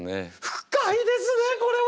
深いですねこれは！